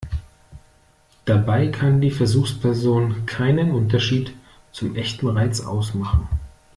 Dabei kann die Versuchsperson keinen Unterschied zum echten Reiz ausmachen.